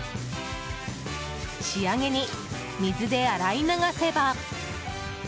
仕上げに、水で洗い流せば。